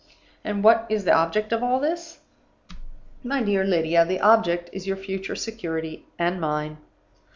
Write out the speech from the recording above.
"And what is the object of all this? "My dear Lydia, the object is your future security (and mine).